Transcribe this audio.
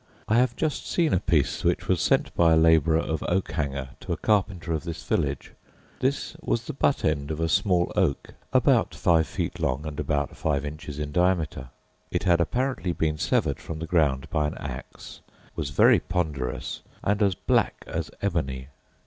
I have just seen a piece which was sent by a labourer of Oakhanger to a carpenter of this village, this was the butt end of a small oak, about five feet long, and about five inches in diameter. It had apparently been severed from the ground by an axe, was very ponderous, and as black as ebony.